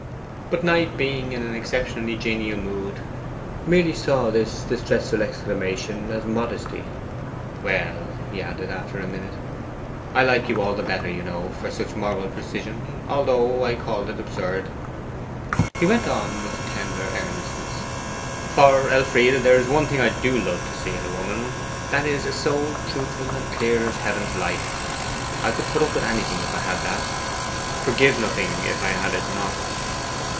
But Knight, being in an exceptionally genial mood, merely saw this distressful exclamation as modesty. 'Well,' he added, after a minute, 'I like you all the better, you know, for such moral precision, although I called it absurd.' He went on with tender earnestness: 'For, Elfride, there is one thing I do love to see in a woman that is, a soul truthful and clear as heaven's light. I could put up with anything if I had that forgive nothing if I had it not.